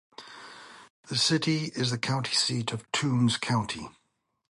The city is the county seat of Toombs County.